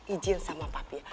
ijin sama papi